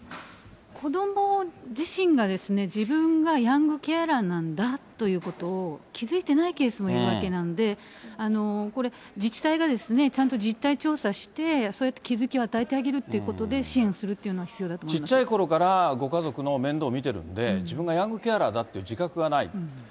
子ども自身がですね、自分がヤングケアラーなんだということを、気付いてないケースもいるわけなんで、これ、自治体がちゃんと実態調査して、そうやって気付きを与えてあげるってことで支援するっていうのはちっちゃいころから、ご家族の面倒見てるんで、自分がヤングケアラーだっていう自覚がないと。